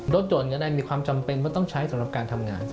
รถยนต์ก็ได้มีความจำเป็นว่าต้องใช้สำหรับการทำงาน